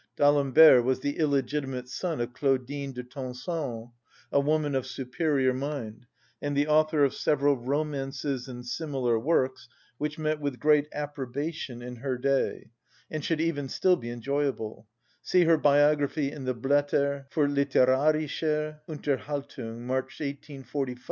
D'Alembert was the illegitimate son of Claudine de Tencin, a woman of superior mind, and the author of several romances and similar works, which met with great approbation in her day, and should even still be enjoyable (see her biography in the "Blätter für litterarische Unterhaltung," March 1845, Nos.